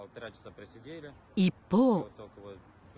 一方。